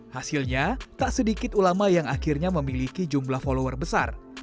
hasilnya tak sedikit ulama yang akhirnya memiliki jumlah follower besar